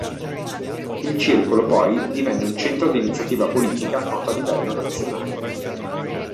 Il Circolo poi divenne un centro di iniziativa politica noto a livello nazionale.